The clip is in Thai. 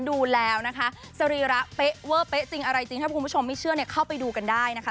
อืมมั่นใจไปเลยค่ะ